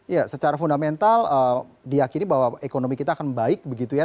ya secara fundamental diakini bahwa ekonomi kita akan membaik begitu ya